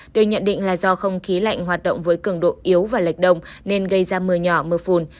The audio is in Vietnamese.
được nhận định là do không khí lạnh hoạt động với cường độ yếu và lệch đông nên gây ra mưa nhỏ mưa phùn